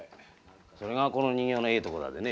それがこの人形のええところだでね。